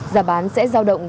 giá bán sẽ giao động